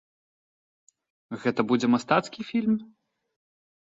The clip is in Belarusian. Гэта будзе мастацкі фільм?